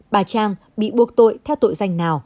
bà trang bị buộc tội theo tội danh nào